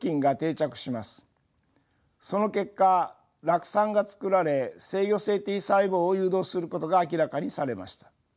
その結果酪酸が作られ制御性Ｔ細胞を誘導することが明らかにされました。